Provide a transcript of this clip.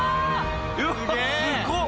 うわすごっ。